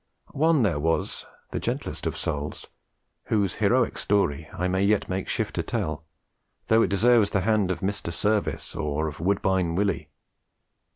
One there was, the gentlest of souls, whose heroic story I may yet make shift to tell, though it deserves the hand of Mr. Service or of 'Woodbine Willie.'